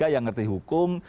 yang ngerti hukum